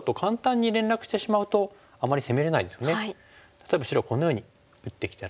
例えば白このように打ってきたら。